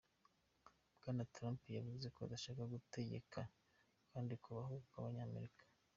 Bwana Trump yavuze ko adashaka gutegeka abandi kubaho nk'abanyamerika.